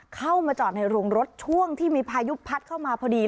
เข้ามาจอดในโรงรถช่วงที่มีพายุพัดเข้ามาพอดี